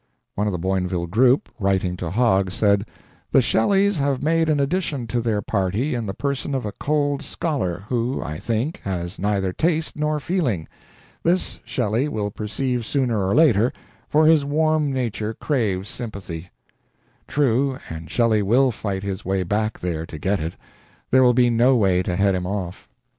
One of the Boinville group, writing to Hogg, said, "The Shelleys have made an addition to their party in the person of a cold scholar, who, I think, has neither taste nor feeling. This, Shelley will perceive sooner or later, for his warm nature craves sympathy." True, and Shelley will fight his way back there to get it there will be no way to head him off.